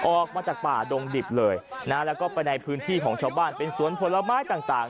ออกมาจากป่าดงดิบเลยนะแล้วก็ไปในพื้นที่ของชาวบ้านเป็นสวนผลไม้ต่าง